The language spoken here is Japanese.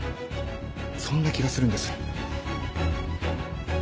そんな気がするんです。